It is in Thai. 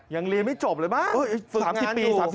ยังเรียนไม่จบเลยบ้าง